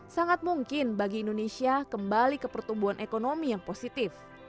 sangat mungkin bagi indonesia kembali ke pertumbuhan ekonomi yang positif